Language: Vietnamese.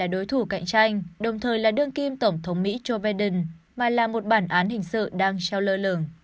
ông donald trump không phải là đối thủ cạnh tranh của ông tổng thống mỹ joe biden mà là một bản án hình sự đang trao lơ lường